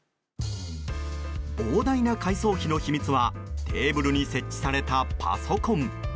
膨大な改装費の秘密はテーブルに設置されたパソコン。